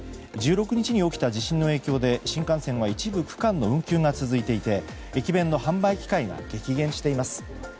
１６日に起きた地震の影響で新幹線の一部区間の運休が続いていて駅弁の販売機会が激減しています。